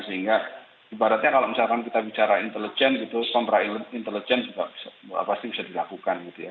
sehingga ibaratnya kalau misalkan kita bicara intelijen kontra intelijen pasti bisa dilakukan